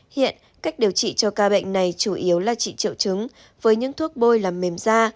hiện cách điều trị cho ca bệnh này chủ yếu là trị triệu chứng với những thuốc bôi làm mềm da